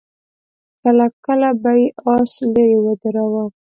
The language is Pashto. کله کله به يې آس ليرې ودراوه.